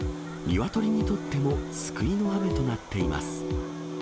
ニワトリにとっても救いの雨となっています。